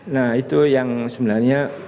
nah itu yang sebenarnya